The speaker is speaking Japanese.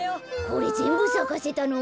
これぜんぶさかせたの？